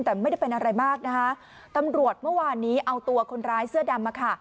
แต่ไม่ได้เป็นอะไรมากนะคะตำรวจเมื่อวานนี้เอาตัวคนร้ายเสื้อดำมาค่ะ